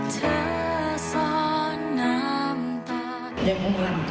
เธอซ้อนน้ำตา